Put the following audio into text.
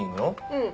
うん。